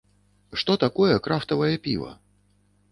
Што такое крафтавае піва?